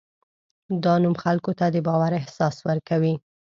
دا نوم خلکو ته د باور احساس ورکوي.